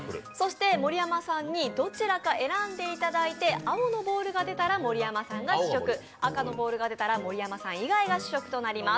盛山さんに、どちらか選んでいただいて、青のボールが出たら、盛山さんが試食、赤のボールが出たら盛山さん以外が試食となります。